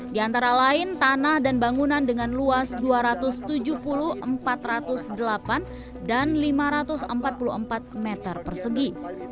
di antara lain tanah dan bangunan dengan luas dua ratus tujuh puluh empat ratus delapan dan lima ratus empat puluh empat meter persegi